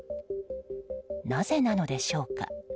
なぜなのでしょうか。